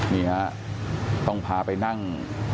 นี่ฮะต้องพาไปนั่ง